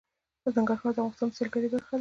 ننګرهار د افغانستان د سیلګرۍ برخه ده.